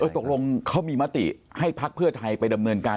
ตกลงเขามีมติให้พักเพื่อไทยไปดำเนินการ